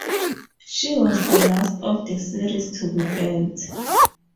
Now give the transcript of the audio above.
She was the last of the series to be built.